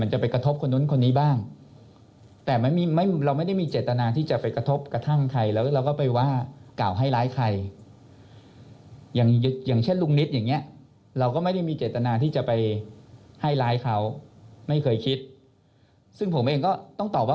หากลุงนิตจะเห็นมาเขาก็หล่นน้ำไปแล้ว